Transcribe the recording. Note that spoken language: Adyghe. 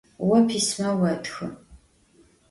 Vo pisme votxı.